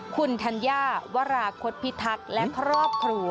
คุณธัญญาวราคตพิทักษ์และครอบครัว